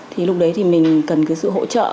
thì lúc đấy thì mình cần cái sự hỗ trợ